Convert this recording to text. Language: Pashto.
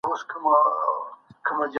غلي پاتې کېدل مرګ دی.